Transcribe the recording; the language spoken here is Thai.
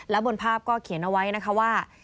และบนภาพก็เขียนเอาไว้นะคะว่า